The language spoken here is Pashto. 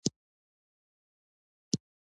زرغون خان د وطن پالني او آزادۍ د فکر سر لاری وو.